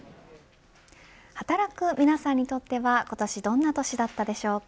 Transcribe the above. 働く皆さんにとっては今年どんな年だったでしょうか。